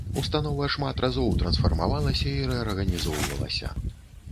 Установа шмат разоў трансфармавалася і рэарганізоўвалася.